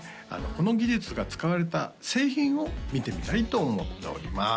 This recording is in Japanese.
この技術が使われた製品を見てみたいと思っております